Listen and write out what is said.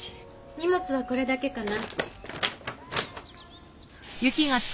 荷物はこれだけかな。